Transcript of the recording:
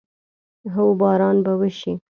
هو، باران به وشي